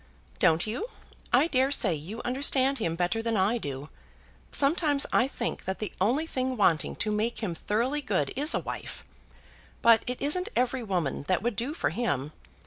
"Don't you? I dare say you understand him better than I do. Sometimes I think that the only thing wanting to make him thoroughly good, is a wife. But it isn't every woman that would do for him.